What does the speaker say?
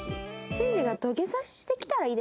慎二が土下座してきたらいいですけどね。